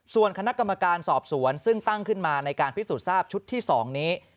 ส่วนคณะกรรมการสอบสวนซึ่งตั้งขึ้นมาในการพิสูจนทราบชุดที่๒นี้